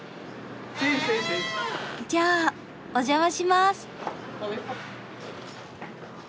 じゃあお邪魔します。